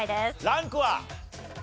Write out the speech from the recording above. ランクは？